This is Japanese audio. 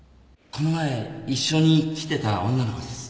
この前一緒に来てた女の子です